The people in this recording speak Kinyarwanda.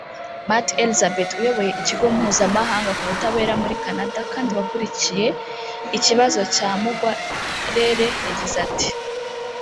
Matt Elisabeth uyoboye Ikigo mpuzamahanga ku butabera muri Canada kandi wakurikiye ikibazo cya Mungwarere yagize ati